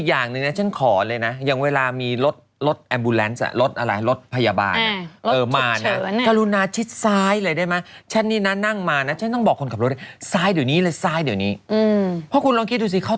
เขามีบทเต็มอันนั้นเราเข้าไปสิ